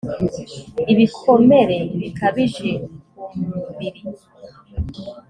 ibikomere bikabije ku mubiri